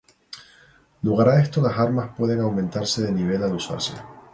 Lugar a esto, las armas pueden aumentar de nivel al usarse.